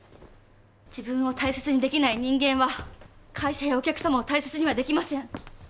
自分を大切にできない人間は会社やお客様を大切にはできません。